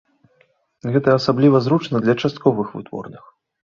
Гэта асабліва зручна для частковых вытворных.